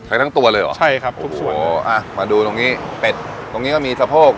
ทั้งตัวเลยเหรอใช่ครับทุกส่วนโอ้อ่ะมาดูตรงนี้เป็ดตรงนี้ก็มีสะโพก